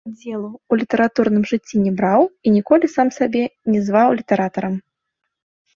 Удзелу ў літаратурным жыцці не браў і ніколі сам сябе не зваў літаратарам.